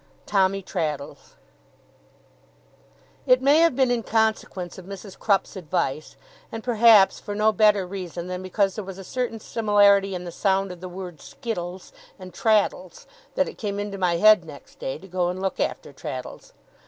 TOMMY TRADDLES It may have been in consequence of Mrs. Crupp's advice, and, perhaps, for no better reason than because there was a certain similarity in the sound of the word skittles and Traddles, that it came into my head, next day, to go and look after Traddles.